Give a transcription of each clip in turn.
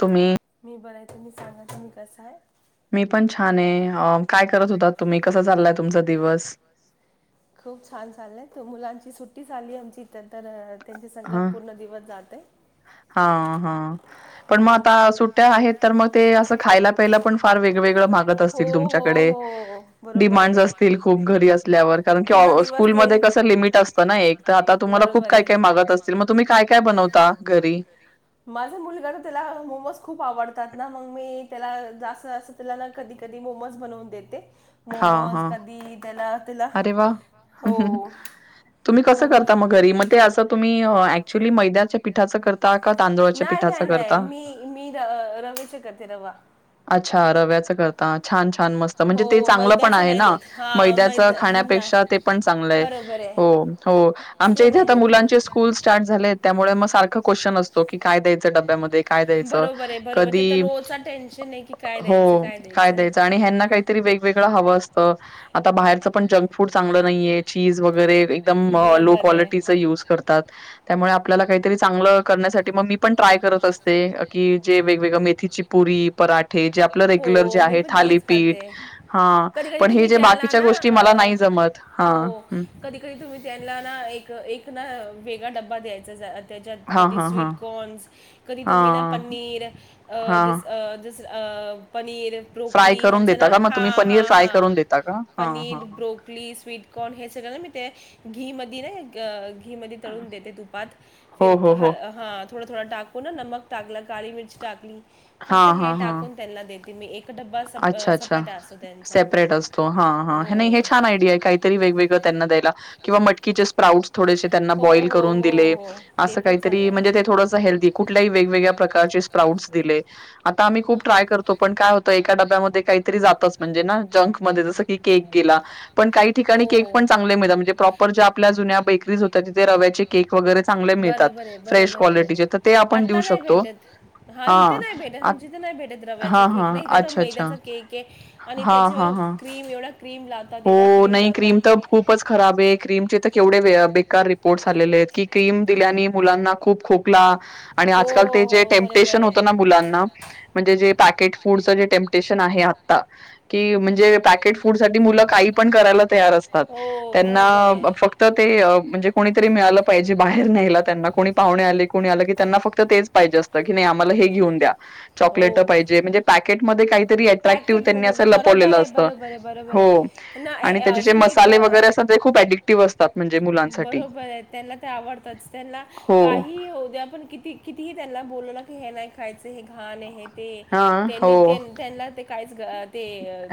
तुम्ही? हो बरा. तुम्ही सांगा तुम्ही कसा हाय? मी पण छान आहे हो. काय करत होता तुम्ही? कसा चाललाय तुमचा दिवस? खूप छान चाललंय. त मुलांची सुट्टी झाली, आमची इथं तर त्यांचे संगात पूर्ण दिवस जाते. हा हा. पण मग आता सुट्ट्या आहेत, तर मग ते असं खायला पहीलं पण फार वेगवेगळे मागत असतील तुमच्याकडे. डिमांड असतील खूप घरी असल्यावर कारण की, स्कूलमध्ये कसं लिमिट असतं ना एक. तर आता तुम्हाला खूप काही काही मागत असतील, मग तुम्ही काय काय बनवता? घरी. माझा मुलगा तर त्याला मोमोज खूप आवडतात ना, मग मी त्याला जास्त असं मुलाला कधी कधी मोमोज बनवून देते. मोमोज कधी त्याला तिला अरे वा! हम्म हम्म. तुम्ही कसं करतात मग घरी? मग ते असं तुम्ही ऍक्च्युली मैद्याच्या पीठाच कर नाय, नाय, नाय. मी मी र रव्याचे करते रवा. अच्छा! रव्याचं करता. छान, छान, मस्त म्हणजे ते चांगलं पण आहे ना. मैद्या चं खाण्यापेक्षा ते पण चांगलंय. हो हो. आमच्या इथे आता मुलांचे स्कूल स्टार्ट झाले त्यामुळे मग सारखा क्वेश्चन असतो, की काय द्या डब्यामध्ये काय द्यायचं? कधी, हो. काय द्यायचं. आणि ह्या ना काही तरी वेगवेगळे हवं असतं. आता बाहेरचं पण जंक फूड चांगलं नाहीये, चीज वगैरे एकदम लो कॉलिटीच युज करतात. त्यामुळं आपल्याला काहीतरी चांगलं करण्यासाठी. मग मी पण ट्राय करत असते, की जे वेगवेगळे मेथीची पुरी, परा ठे, जे आपलं रेग्युलर जे आहे थालिपीठ. हं, पण हे जे बाकीच्या गोष्टी मला नाही जमत हा. कधी, कधी तुम्ही त्यांना ना एक, एक ना वेगळा डबा द्यायचा जरा त्याच्यात कधी स्वीटकॉनस, कधी तुम्ही ना पनीर, हं जसं अ पनीर ब्रोकली ह्यांचं ना, हां, हां, हां. Paneer broccoli, sweetcorn. हे सगळं ना मी ते घी मध्ये ना घी मध्ये तळून देते तुपात. फिर हा हा थोडं थोडा टाकू ना, नमक टाकलं, काळी मिरची टाकली. फक्त हे टाकून त्यांना देत ते मी एक डब्बा स सपरेट असतो त्यांचा. सेपरेट असतो, हो. ठीके छान आहे वेगवेगळं त्यांना द्यायला. किंवा मट कीचे स्प्राउट थोडेसे त्यांना बॉईल करून दिले, असं काहीतरी म्हणजे ते थोडसं हेल्थदी कुठल्याही वेगवेगळ्या प्रकारचे स्पाउट्स दिले. आता आम्ही खूप ट्राय करतो पण काय होतं एका डब्या मध्ये काही तरी जातच. म्हणजे जंक मध्ये, जसं की केक गेला पण काही ठिकाणी केक पण चांगले मिळत, म्हजे प्रॉपर ज्या आपल्या जुन्या बेकरीज हो तर तिथे रव्याचे केक वगैरे चांगले मिळतात. फ्रेश क्वालिटीचे, तर ते आपण देऊ शकतो. हा इथे नाही भेटेत. म्हणजे तिथे नाही भेटेत रव्याचे केक ना- त्या मैद्याचा केक आहे, आणि त्याच्यावर क्रीम एवढा क्रीम लाव हो. नाही क्रीम तर खूप खूपच खराब आहे. क्रीमचे तर केवढे बेकार रिपोर्टस आलेले आहेत, की क्रीम दिल्याने मुलांना खूप खुप क्ला. आणि आजकाल ते जे टेम्टेशन होत ना मुलांना म्हणजे जे पॅकेट फूडच जे टेम्टेशन आहे आता, की म्हणजे पॅकेट फूड साठी काई पण करायला तयार असतात. त्यांना फक त, ते म्हणजे कोणीतरी मिळालं पाहिजे, बाहेर नायला त्यांना. कोणी पाहुणे आले, कोणी आलं की, त्यांना फक्त तेच पाहिजे असतं की नाही आम्हाला हे घेऊन द्या. चॉकलेट पाहिजे म्हणजे पॅकेटमध्ये काहीतरी अट्रॅक्टिव्ह त्यांनी असं लपवलेलं असतं हो आणि त्याचे जे मसाले वगैर अस ते खूप एकटिव्ह असतात म्हणेजे मु बरोबर आहे त्यांना ते आवडतच त्यांना काही होऊद्या आपण किती कितीही त्यांना बोलव ना की हे नाही खायचं हे घाण आहे ते त्यांनी त्यां त्यांना ते काहीच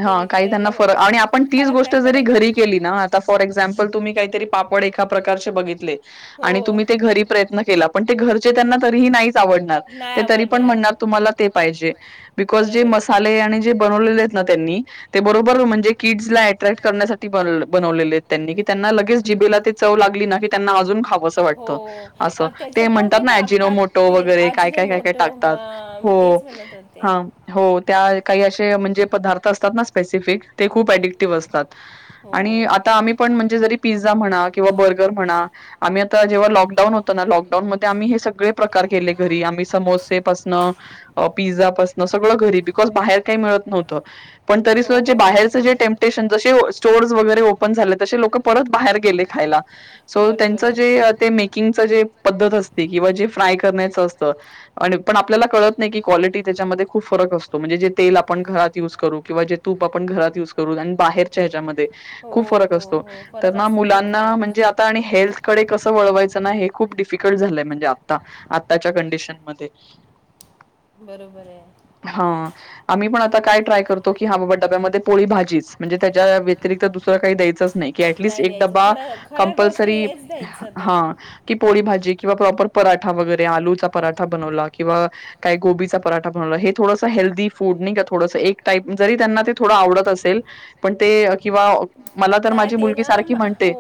हा काही त्यांना फरक आणि आपण तीच गोष्ट जरी घरी केली ना ता फॉर एक्झाम्पल तुम्ही काहीतरी पापड एका प्रकारचे बघितले आणि तुम्ही ते घरी प्रयत्न केला पण ते घरचे त्यांना तरीही नाहीच आवडणार ते तरी पण म्हणणार तुम्हाला ते पाहिजे बिकॉज जे मसाले आणि जे बनवलेले न त्यांनी ते बरोबर म्हणजे किड्स ला अट्रॅक्ट करण्यासाठी बनवलेले आहेत त्यांनी की त्यांना लगेच जिबेला ते चव लागली ना त्यांना अजून खाव वाटत अस ते म्हणतात आजी नोमटो वगैरे काय काय काय काय टाकतात हो ते हो त्या काही असे म्हणजे पदार्थ असतात ना स्पेसिफिक ते खुप एडी टव्ह आसतात आणि आम्ही पण म्हणजे जरी पिझझा म्हणा किंवा बर्रगर म्हणा आम्ही आता जेव्हा लॉकडाऊन होतो ना लॉकडाऊन मध्ये आम्ही हे सगळे प्रकार केले घरी आम्ही समोसेपासन अ पिझ्झापसन सगळं घरी बिकॉज बाहेर काही मिळत नव्हतं पण तरी सुद्धा जे बाहेरचे टेंप टेशन जसे स्टोवर वैगेरे ओपन झाले तसे लोक परत बाहेर गेले खयला ते सो त्यांच जे ते मेकिंगच जे पद्धत असते किंवा जे फ्राय करण्यायचं असतं आणि पण आपल्याला कळत नाही की क्वालिटी त्याच्यामध्ये खूप फरक असतो म्हणजे जे तेल आपण घरात युज करू किंवा जे तुप आपण घात युज करू आणि बाहेर ह्याज्या मध्यमे खुप फरक असतो तर मुलांना म्हणजे आ त हेल्थकडे कसं वळवायचं ना हे खूप डिफिकल्ट झालंय म्हणजे आता आताच्या कंडिशनमध्ये बरोबर आहे हा आम्ही पण आता काय ट्राय करतो की की हा बाबा डब्यामध्ये पोळी भाजीच म्हणजे त्याच्या व्यकतरीक्त दुसर काही द्यायं नाही एटलिस्ट एक डबां कंपल्सरी हा कि पोळी भाजी किंवा प्रॉपर पराठा वगैरे आलुचा पराठा बनवला किंवा काय गोबीचा पराठा बवला हे थोडंसं हेल्दी फूड नाही का थोडसं टाईप जरी त्यांना ते थोडं आवडत असेल पण ते किंवा मला तर माझी मुलगी सारखी म्हणते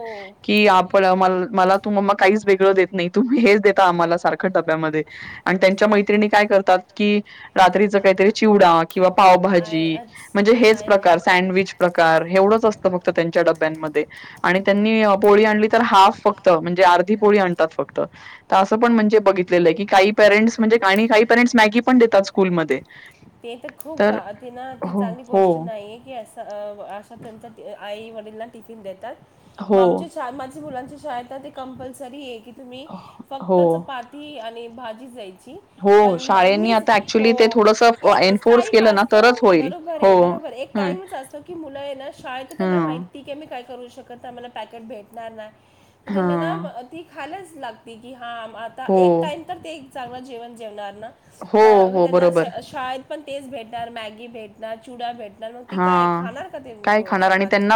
की आप पण ममा मला तु मग काहीच वेगळं देत नाही तुम्ही हेच देता आम्हाला सारख्या डब्यामध्ये आणि त्यांच्या मैत्रिणी काय करतात कि रात्रीच काहीतरी चिवडा किंवा पावभाजी जी म्हणजे हे प्रकार सॅडव्हिज प्रकार हेवढंच असत फक्त त्यांच्या डब्यांमध्ये आणि त्यांनी पोळी आणली तर हाफ फक्त म्हणजे अर्धी पोळी आणतात फक्त त तर असं पण म्हणजे बघितलेलंय की काही पेरेंट्स म्हणजे आणि काही पेरेंट्स मॅगी पण देतात स्कूल मध्ये तर कि ना ती चांगली गोष्ट नाहीये की असं अशा त्यांचा आई -वडिला टिफिन देतात आमच्या चालमा मुलांची शाळेत ते कंपल्सरी आहे की तुम्ही फक्तच पा ती आणि भाजी जायची पण आ मीच हो एकच टाईम असतो बरोबर आहे बरोबर आहे एक टाईमच असतो की मुलं याना शाळेत त्याला माही ठीक ये, मी काय करू शकत नाय, मला पॅकेट भेटणार नाही, तर त्यांना ना, ती खायलाच लागते की, हां, म आता एक टाईम तर, ते चांगलं जेवण- जेवणार ना? त्या-त्यांना शाळेत पण, तेच भेटणार, मॅगी भेटणार, चीवडा भेटणार त, मग ती काय, खाणार का, ते ब्र चपाती?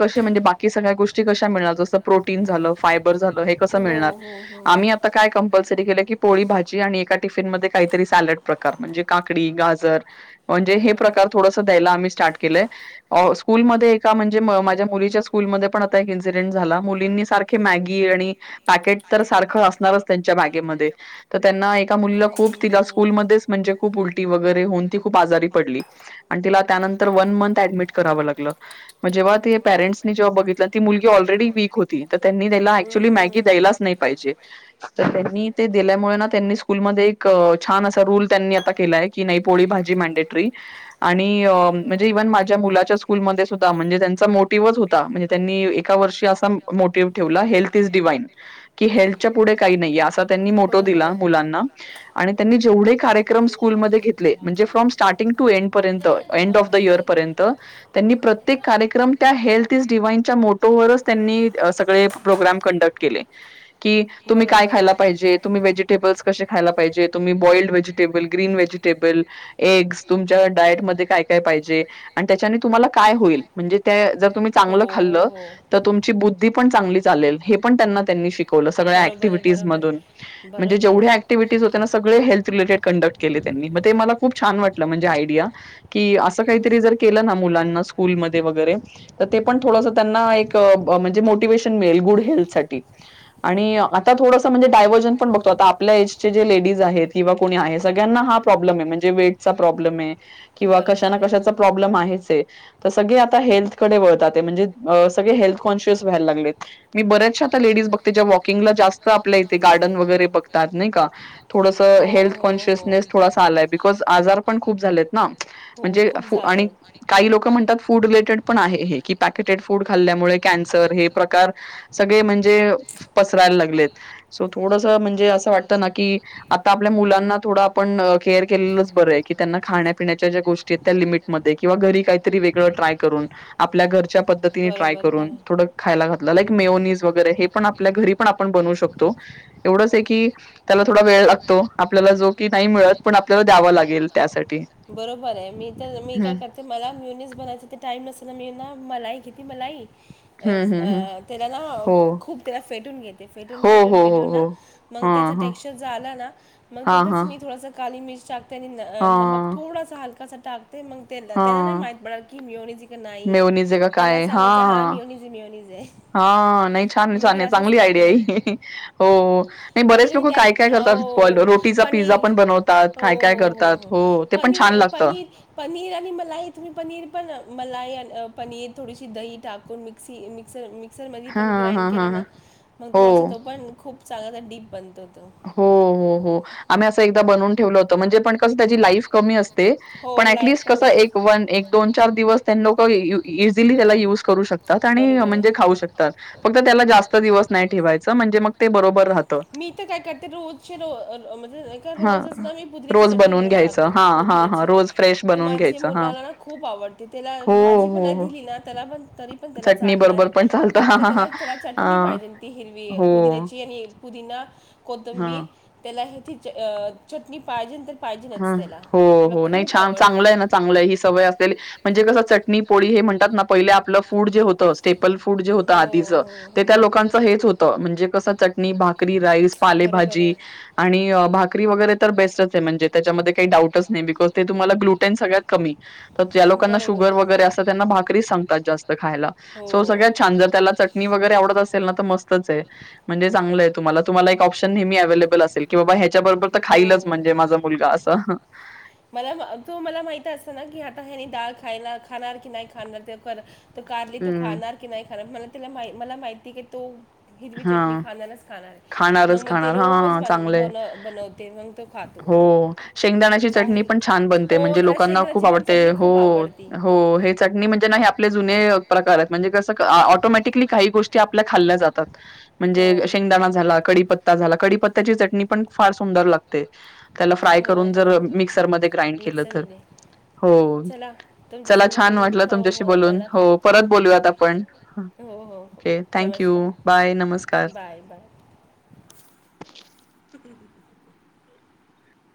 कशे म्हणजे, बाकी सगळ्या गोष्टी, कशा मिळत असता, प्रोटिन झाल, फायबर झाल, हे कसं मिळणार? आम्ही आता, काय कंपल्सरी केलं की, पोळी भाजी आणि एका टिफिनमध्ये काहीतरी सॅलड प्रकार, म्हणजे काकडी, गाजर, म्हणजे हे प्रकार, थोडसं द्यायला, आम्ही स्टार्ट केलंय. ओ स्कूलमध्ये एका, म्हणजे माझ्या मुलीच्या स्कूलमध्ये, पण आता एक इन्सिडेंट झाला, मुलींनी सारख मॅगी आणि पॅकेट, तर सारखं असणारच, त्यांच्या बॅगेमध्ये, त त्यांना एक एका मुलिला खूप, तिला स्कूलमध्येच, म्हणजे खूप उलटी वगैरे, होउन ती खूप आजारी पडली, अं तिला त्यानंतर वन मंथ, ऍडमिट करावं लागलं, म जेव्हा ते पेरेंट्स ने जेव्हा बघितल ती मुलगी, ऑलरेडी वीक होती, तर त्यांनी त्याला, ऍक्च्युली मॅगी द्यायलाच, नही पाहिजे. त त्यांनी, ते दिल्यामुळे ना, त्यांनी स्कूलमध्ये, एक छान असा, रूल त्यांनी आता, केलाय. की नही, पोळी भाजी मॅडेटरी आणि म्हणजे इव्हन माझ्या मुलाच्या, स्कूलमध्ये सुद्धा होता, म्हणजे त्यांचा मोटिव्हच होता, म्हणजे त्यांनी एका वर्षी असा मोटिव्ह ठेवला, ' हेल्थ इज डिवाईन'. काई नहीए, असा त्यांनी मोटो दिला, मुलांना आणि त्यांनी जेवढे कार्यक्रम, स्कूलमध्ये घेतले, म्हणजे फ्रॉम स्टार्टिंग टू एंड पर्यंत, एंड ऑफ पर्यंत त्यांनी प्रत्येक कार्यक्रम, त्या हेल्थ इज डिवाइनच्या, मोटोवरच, त्यांनी अ सगळे प्रोग्रम कंडक्ट केले. [unintelligible] कि, तुम्ही काय खायला पाहिजेत. तुम्ही, वेजीटेबल्स कशे खायला पाहिजे, तुम्ही boiled vegetable, green vegetable eggs, तुमच्या डायटमध्ये, काय-काय पाहिजे अं त्याच्याने, तुम्हाला काय होईल? म्हणजे त्या जर तुम्ही चांगलं खाल्ल, तर तुमची बुद्धी पण चांगली चालेल, हे पण त्यांना, त्यांनी शीक वलं, सगळ्या ऍक्टिव्हि्टीज मधून, म्हणजे जेवड्या ऍक्टिव्हि्टीज त्यांना हेल्थ रिलेटेड, कंडक्ट केले त्यांनी, म तें मला खूप वाटलं, म्हणजे आयडिया कि, असं काहीतरी, जर केलं ना, मुलांना स्कूलमध्ये वगैरे तर ते पण, थोडंसं त्यांना एक ब, म्हणजे मोटिवेशन मिळेल, गुड हेल्थसाठी आणि आता थोडंसं, म्हणजे डायव्हर्जन पण बघतो, आता आपल्या एजचे, जे लेडीज आहेत किंवा कोणी आहे, सगळ्यांना हा प्रॉब्लेम ये, म्हणजे वेटचा प्रॉब्लेम ये, किंवा कशानं कशाचा प्रॉब् लम आहेच ये, तर सगळे आता, हेल्थकडे वळताते, म्हणजे अ सगळे हेल्थ कोंशस, व्हायला लागले. मी बऱ्याचशा आता लेडीज बघते, ज्या वॉकिंगला, जास्त आपल्या इथे, गार्डन वगैरे बघतात, नही का? थोडंसं, हेल्थ कॉन्शियसनेस थोडासा आलाय, बिकॉज आजार पण, खूप झालेत ना? म्हणजे फु आणि काही लोकं म्हणतात, फूड रिलेटेड पण आहे हे, की पॅकेटेड फूड खाल्ल्यामुळे, कॅन्सर हे प्रकार सगळे, म्हणजे अ पसरायला लागलेत, सो थोडंसं, म्हणजे असं वाटतं ना, की आता आपल्या मुलांना, थोडं आपण, केअर केलेलंच बरं ये, की त्यांना खाण्या पिण्याच्या, ज्या गोष्टीं, त्यां लिमिट मध्ये, किंवा घरी कायतरी, वेगळं ट्राय करून आपल्या घरच्या पद्धतीने, ट्राय करून, थोडं खायला घातलं, लाईक मेयोनीज वगैरे, हे पण आपल्या घरी, पण आपण बनवू शकतो, एवढंच ये की त्याला थोडा वेळ लागतो, आपल्याला जो की, नाही मिळत, पण आपल्याला द्यावा लागेल, त्यासाठी. बरोबर ये, मी त, मी काय कर तर मला मेयोनीज बनायचं तर टाईम नसेल तर मी ना मलाई घेती मलाई अ त्यालाला खूप त्याला फेटून घेते फेटून फेटून फेटून ना मग त्याचा टेक्चर ज आला ना मग त्यातच मी थोडासा काली मिरच टाकते आणि न नमक थोडासा हलकासा टाकते मग त्याला त्याला नाही माहित पडल की मेयोनीज की नाहीय. आहे त्याला सांगायचं हा मेयोनीज आहे मेयोनीज आहे. हा नाही छान छान नाही चांगली आयडिया आहे. हो नाही बरेच लोक काय काय करतात रोटीचा पिझ्झा पण बनवतात. काय काय करतात? हो. पनीर पनीर पनीर आणि मलाई तुम्ही पनीर पण मलाई पनीर थोडीशी दही टाकून म मिक्सिंग मिक्सर सर मधी पण ग्राईंड केलं ना मग थोडास तो पण खूप चांगला तर डीप बनतो तो. हो हो हो आम्ही असं एकदा बनवून ठेवलं होत. हणजे पण कसं त्याची लाईफ कमी असते. पण ऍटलिस्ट कस एक वन एक दोन चार दिवस त्यां लोक इझिली त्याला युज करू शकत. आणि म्हणजे खाऊ शकतात. फक्त त्याला जास्त दिवस नाही ठेवायचं म्हणजे मग ते बरोबर राहत. मी तर काय करते रोजचे रोजचे रोज म्हणजे का रोजच ना मी पुदिन्याची चटणी बनवून टाकते. पुदिन्याची तर माझी मुलाना खूप आवडते. त्याला भाजी पण नाही दिली ना त्याला पण तरी पण त्याला चाललाय फक्त त्याला त्याला चटणी पाहिजे. ती हिरवी पुदिन्याची आणि पुदिना कोथिंबीर त्याला हेथ चटणी पाहिजे नंतर ह हो हो नाही छान चांगलं आहे ना चांगलं आहे. ही सवय अस म्हणजे कस चटणी पोळी हे म्हणतात ना पहिले आपलं फूड जे होतं ेपल फूड जे होत आधीच ते त्या लोकांच हेच होत. म्हणजे कस भाकरी राईस पालेभाजी आणि भाकरी वगैरे तर बेस्टच आहे म्हणजे त्याच्यामध्ये काहीडाऊटच नाही बिकॉज ते तुम्हाला ग्लुटन सगळ्यात कमी तर ज्या लोकांना शुगर वगैरे असतात त्यांना भाकरी सांग स्त खायला स सगळ्या छान. त्याला चटणी वगैरे आवडत असेल ना तर मस्त. म्हणजे च तुम तु्हाला एक ऑप्शन नेहमी अवेलेबल असेल. की बाबा ह्याच्याबरोबर तर खाईलच म्हणजे माझा मुलगा असं. मला तू मला माहित असं ना की आता हनी डाळ खायला खाणार की नाही खाणार ते कर- त कारली तो खाणार की नाही खाणार. मला तला मा मला माहिती की तो हिरवी चटणी खाणारच खाणार आहे. मग मग ते रोज बन बन बनवते मग हो शेंगदाणा शेंगदाण्याची चटणी पण खूप छान बनते म्हणजे लोकांना आवडते. हो हो णी म्हणजे आपले जुने प्रकार आहेत. म्हणजे कसं ऑटोमॅटिकली काही गोष्टी आपल्या खाल्ल्या जातात. म्हणजे शेंगदाणा झाला कडीपत्ता झाला कडीपत्त्याची चटणी पण फार सुंदर लागते. त्याला फ्राय करून जर मिक्सरमध्ये ग्राईंड केलं तर. हो चला छान वाटलं तुमच्याशी बोलून. हो परत बोलूयात आपण. Okay thank you bye. Bye bye.